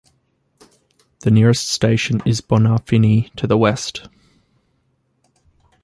The nearest station is Bonafini to the west.